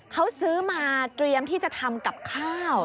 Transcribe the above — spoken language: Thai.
เขาซื้อมาเตรียมที่จะทำกับข้าว